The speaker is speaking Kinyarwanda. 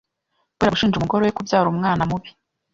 kubera gushinja umugore we kubyara umwana mubi